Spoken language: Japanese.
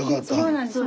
そうなんです。